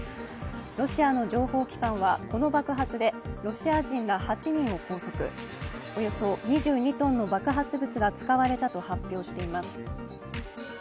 ロシアの情報機関はこの爆発でロシア人ら８人を拘束、およそ２２ｔの爆発物が使われたと発表しています。